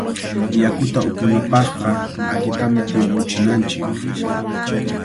Yakuta upunapaqqa allitami timpuchinanchik.